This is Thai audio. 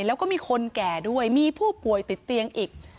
แล้วก็มีคนแก่ด้วยมีผู้ป่วยติดเตียงอีก